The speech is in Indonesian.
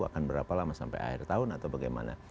akan berapa lama sampai akhir tahun atau bagaimana